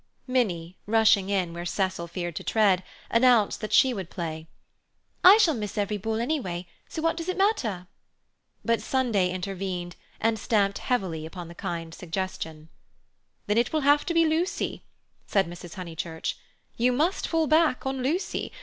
Minnie, rushing in where Cecil feared to tread, announced that she would play. "I shall miss every ball anyway, so what does it matter?" But Sunday intervened and stamped heavily upon the kindly suggestion. "Then it will have to be Lucy," said Mrs. Honeychurch; "you must fall back on Lucy.